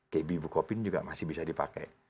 kb bukopin juga masih bisa dipakai